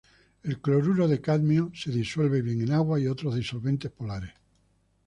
El cloruro de cadmio se disuelve bien en agua y otros disolventes polares.